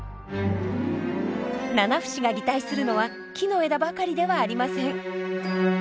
ナナフシが擬態するのは木の枝ばかりではありません。